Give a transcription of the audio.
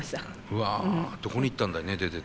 うわどこに行ったんだろうね出てって。